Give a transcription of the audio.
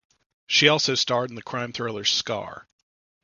She also starred in the crime thriller "Scar".